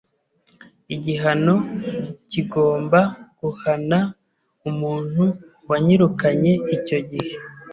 igihano kigomba guhana umuntu wanyirukanye icyo gihe